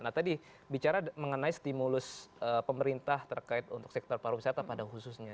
nah tadi bicara mengenai stimulus pemerintah terkait untuk sektor pariwisata pada khususnya